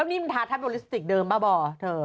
แล้วนี่มันทาทับโลลิสติกเดิมป่ะบ่อเธอ